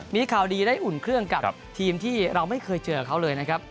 มีข่าวดีได้อุ่นเครื่องกับทีมที่เราไม่เคยเจอกับเขาเลยนะครับ